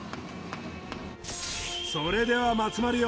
それでは松丸よ